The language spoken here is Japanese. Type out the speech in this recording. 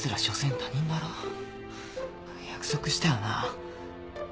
約束したよな。